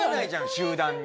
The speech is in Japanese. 集団に。